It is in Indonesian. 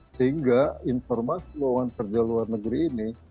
sehingga informasi lowongan kerja luar negeri ini